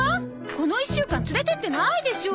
この１週間連れてってないでしょ。